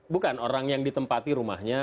bukan orang yang ditempati rumahnya